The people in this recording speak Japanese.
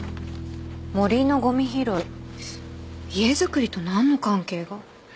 「森のゴミ拾い」家づくりと何の関係が？